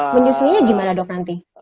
menyusui gimana dok nanti